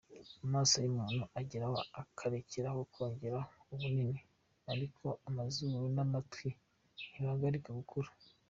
Amaso y’umuntu ageraho akarekeraho kongera ubunini ariko amazuru n’amatwi ntibihagarara gukura.